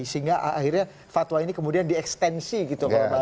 sehingga akhirnya fatwa ini kemudian diekstensi gitu kalau bahasa